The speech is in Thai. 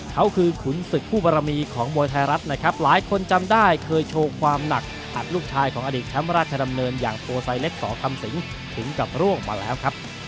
เขาคือขุนศึกคู่บรมีของมวยไทยรัฐนะครับหลายคนจำได้เคยโชว์ความหนักอัดลูกชายของอดีตแชมป์ราชดำเนินอย่างโปรไซเล็กสอคำสิงถึงกับร่วงมาแล้วครับ